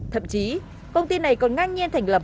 thậm chí công ty này còn ngang nhiên thành lập